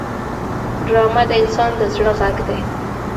ډرامه د انسان د زړه غږ دی